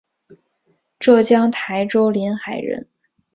浙江台州临海人。